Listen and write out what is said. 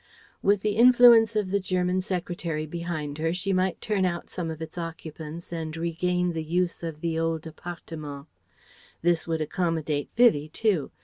With the influence of the Government Secretary behind her she might turn out some of its occupants and regain the use of the old "appartement." This would accommodate Vivie too.